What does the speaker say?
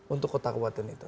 untuk kota kebuatan itu